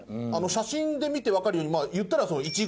写真で見て分かるようにいったら。